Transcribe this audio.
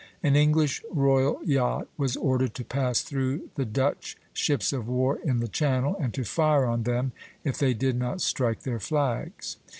An English royal yacht was ordered to pass through the Dutch ships of war in the Channel, and to fire on them if they did not strike their flags.